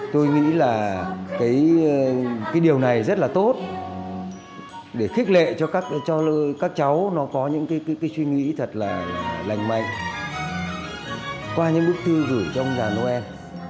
tôi nghĩ là cái điều này rất là tốt để khích lệ cho các cháu nó có những suy nghĩ thật là lành mạnh qua những bức thư gửi trong nhà noel